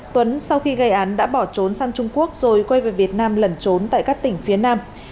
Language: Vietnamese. tuấn sau khi gây án đã bỏ trốn sang trung quốc rồi quay về việt nam lẩn trốn tại các tỉnh phía nam